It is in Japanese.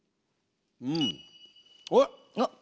うん。おっ！